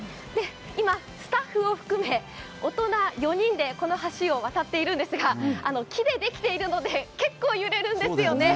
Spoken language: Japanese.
今、スタッフを含め大人４人で、この橋を渡っているんですが木でできているので結構揺れるんですよね。